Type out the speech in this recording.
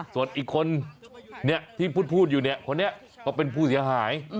ส่วนอีกคนที่พูดอยู่เนี่ยคนนี้เขาเป็นผู้เสียหาย